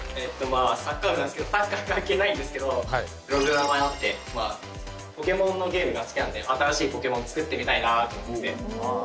サッカー部なんですけどサッカー関係ないんですけどプログラマーになって『ポケモン』のゲームが好きなんで新しい『ポケモン』作ってみたいなと思って。